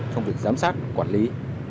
trong việc giám sát quản lý